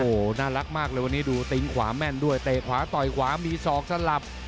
โอ้โหน่ารักมากเลยวันนี้ดูติ๊งขวาแม่นด้วยเตะขวาต่อยขวามีศอกสลับ